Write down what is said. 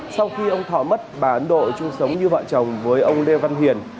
sau khi ông thọ mất bà ấn độ chung sống như vợ chồng với ông lê văn hiền